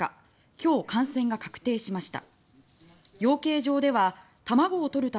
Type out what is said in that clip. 今日、感染が確定しました。